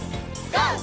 ＧＯ！